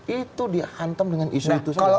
itu dihantam dengan isu itu saja